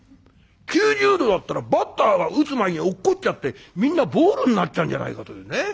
９０度だったらバッターが打つ前に落っこっちゃってみんなボールになっちゃうんじゃないかというね。